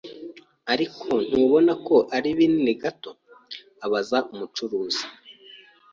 "Ariko ntubona ko ari binini gato?" abaza umucuruzi.